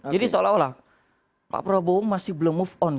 jadi seolah olah pak prabowo masih belum move on